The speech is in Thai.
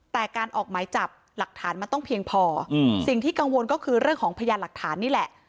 แต่การออกหมายจับหลักฐานมันต้องเพียงพอสิ่งที่กังวลก็คือเรื่องของพยานหลักฐานนี่แหละ